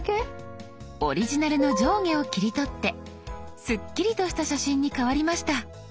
オリジナルの上下を切り取ってスッキリとした写真に変わりました。